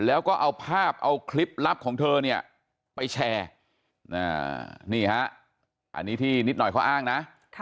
แล้วก็เอาภาพเอาคลิปลับของเธอเนี่ยไปแชร์นี่ฮะอันนี้ที่นิดหน่อยเขาอ้างนะ